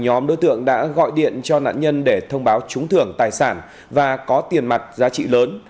nhóm đối tượng đã gọi điện cho nạn nhân để thông báo trúng thưởng tài sản và có tiền mặt giá trị lớn